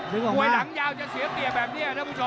หวยหลังยาวจะเสียเสียแบบนี้